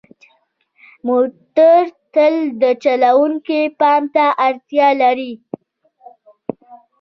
موټر تل د چلوونکي پام ته اړتیا لري.